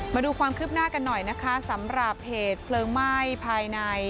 มาดูความคืบหน้ากันหน่อยนะคะสำหรับเหตุเพลิงไหม้ภายใน